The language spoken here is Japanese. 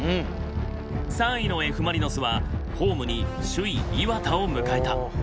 ３位のＦ・マリノスはホームに首位磐田を迎えた。